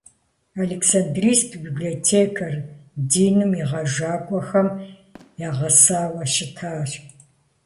Александрийск библиотекэр диным игъэжэкъуахэм ягъэсауэ щытащ.